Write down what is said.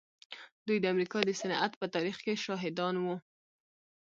دوی د امريکا د صنعت په تاريخ کې شاهدان وو.